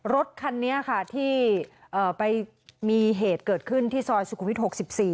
รถคันนี้ค่ะที่ไปมีเหตุเกิดขึ้นที่ซอยสุขุมวิทย์๖๔